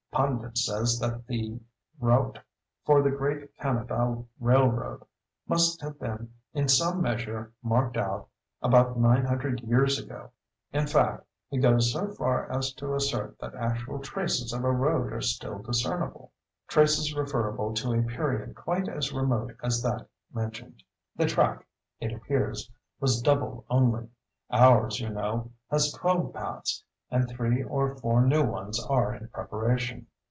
Pundit says that the route for the great Kanadaw railroad must have been in some measure marked out about nine hundred years ago! In fact, he goes so far as to assert that actual traces of a road are still discernible—traces referable to a period quite as remote as that mentioned. The track, it appears was double only; ours, you know, has twelve paths; and three or four new ones are in preparation.